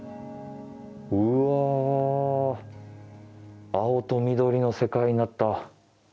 うわ青と緑の世界になった。